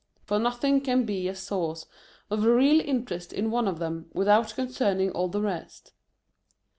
For nothing can be a source of real interest in one of them, without concerning all the rest.